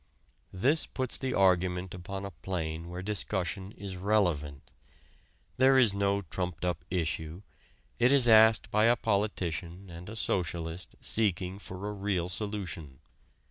This puts the argument upon a plane where discussion is relevant. This is no trumped up issue: it is asked by a politician and a socialist seeking for a real solution.